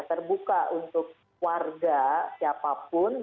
terbuka untuk warga siapapun